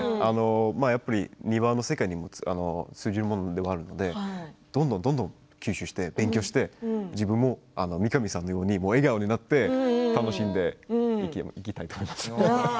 庭の世界にも通じることがあるのでどんどん吸収して勉強して自分も三上さんのように笑顔になって楽しんでいきたいと思います。